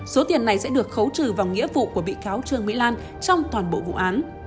số tiền này sẽ được khấu trừ vào nghĩa vụ của bị cáo trương mỹ lan trong toàn bộ vụ án